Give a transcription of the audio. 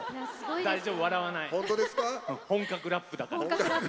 大丈夫、笑わない本格ラップだから。